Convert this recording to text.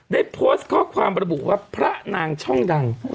ได้โพสต์ข้อความระบุว่าพระนางช่องดัง